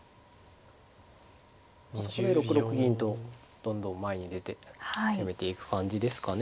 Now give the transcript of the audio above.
そこで６六銀とどんどん前に出て攻めていく感じですかね